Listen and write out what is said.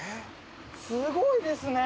すごいですね！